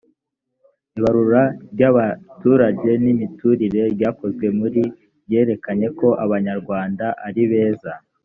ibarura ry abaturage n imiturire ryakozwe muri ryerekanye ko abanyarwanda ari beza